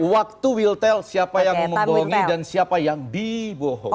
waktu will tell siapa yang membohongi dan siapa yang dibohong